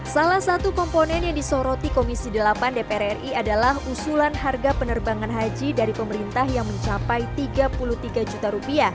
salah satu komponen yang disoroti komisi delapan dpr ri adalah usulan harga penerbangan haji dari pemerintah yang mencapai rp tiga puluh tiga juta